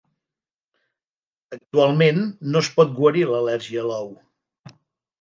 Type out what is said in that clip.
Actualment no es pot guarir l'al·lèrgia a l'ou.